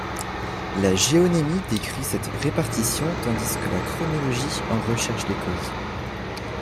La géonémie décrit cette répartition tandis que la chorologie en recherche les causes.